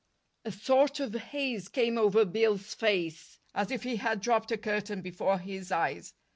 A sort of haze came over Bill's face, as if he had dropped a curtain before his eyes.